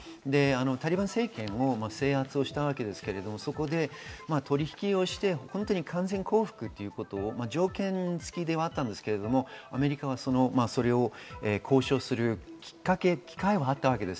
タリバン政権を制圧したわけですが、そこで取引をして、本当に完全降伏を条件付きではあったんですが、アメリカはそれを交渉する機会はあったわけです。